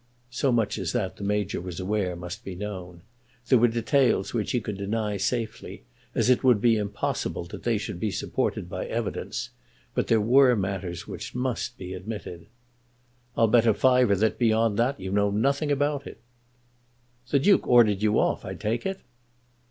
So much as that the Major was aware must be known. There were details which he could deny safely, as it would be impossible that they should be supported by evidence, but there were matters which must be admitted. "I'll bet a fiver that beyond that you know nothing about it." "The Duke ordered you off, I take it."